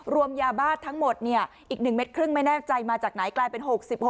รวมยาบ้าทั้งหมดอีก๑เม็ดครึ่งไม่แน่ใจมาจากไหนกลายเป็น๖๖